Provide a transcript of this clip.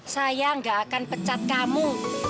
saya gak akan pecat kamu